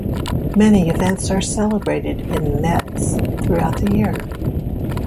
Many events are celebrated in Metz throughout the year.